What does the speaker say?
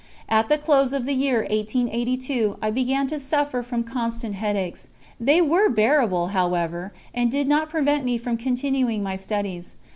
At the close of the year 1882 I began to suffer from constant headaches; they were bearable, however, and did not prevent me from continuing my studies.